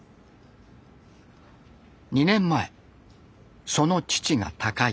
２年前その父が他界。